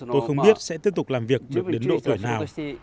tôi không biết sẽ tiếp tục làm việc được đến độ tuổi nào